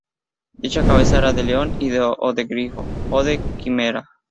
Dicha cabeza era de león o de grifo o de quimera.